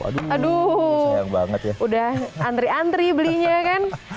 aduh udah antri antri belinya kan